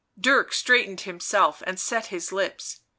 Dirk straightened himself and set his lips.